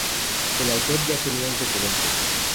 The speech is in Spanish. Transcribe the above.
El autor ya tenía antecedentes.